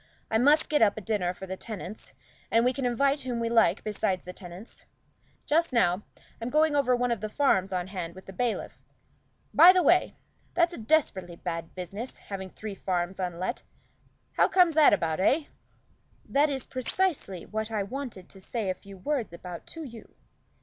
I must get up a dinner for the tenants, and we can invite whom we like besides the tenants. Just now, I'm going over one of the farms on hand with the bailiff. By the way, that's a desperately bad business, having three farms unlet how comes that about, eh?" "That is precisely what I wanted to say a few words about to you.